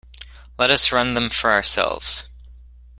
Let us run them for ourselves.